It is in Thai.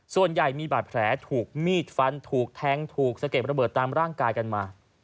ส่วนใหญ่มีบาดแผลถูกมีดฟันถูกแทงถูกสะเก็ดระเบิดตามร่างกายกันมา